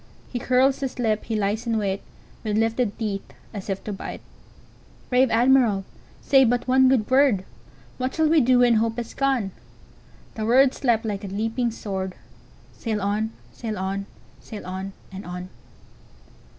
He curls his lip, he lies in wait, With lifted teeth, as if to bite! Brave Admiral, say but one good word:What shall we do when hope is gone?"The words leapt like a leaping sword:"Sail on! sail on! sail on! and on!"